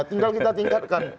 tinggal kita tingkatkan